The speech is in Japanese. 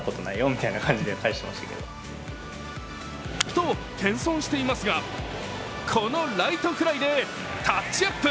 と、謙遜していますがこのライトフライでタッチアップ。